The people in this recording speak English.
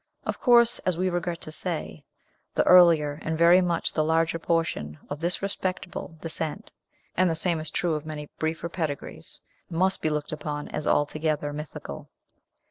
Of course, as we regret to say, the earlier and very much the larger portion of this respectable descent and the same is true of many briefer pedigrees must be looked upon as altogether mythical.